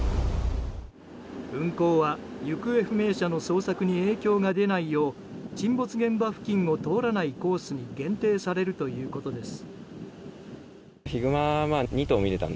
運航は、行方不明者の捜索に影響が出ないよう沈没現場付近を通らないコースに限定されるということです。